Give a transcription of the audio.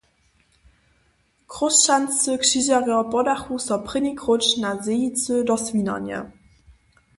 Chróšćanscy křižerjo podachu so prěni króć na Zejicy do Swinarnje.